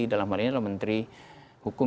dalam hal ini adalah menteri hukum